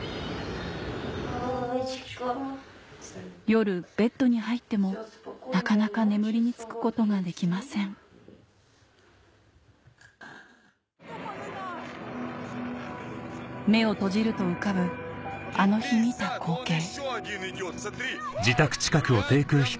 夜ベッドに入ってもなかなか眠りにつくことができません目を閉じると浮かぶあの日見た光景